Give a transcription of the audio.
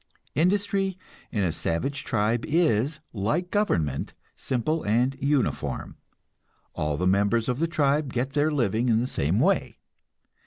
Industry in a savage tribe is, like government, simple and uniform; all the members of the tribe get their living in the same way.